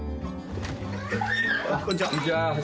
こんにちは。